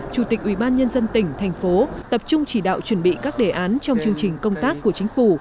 chủ tịch ubnd tỉnh thành phố tập trung chỉ đạo chuẩn bị các đề án trong chương trình công tác của chính phủ